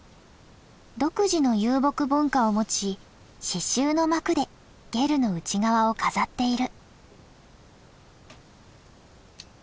独自の遊牧文化を持ち刺しゅうの幕でゲルの内側を飾っている。